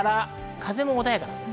風も穏やかです。